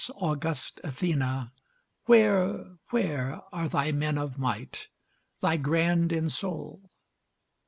august Athena! where, Where are thy men of might? thy grand in soul?